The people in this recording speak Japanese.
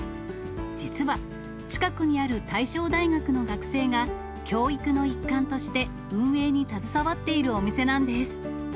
実は、近くにある大正大学の学生が、教育の一環として、運営に携わっているお店なんです。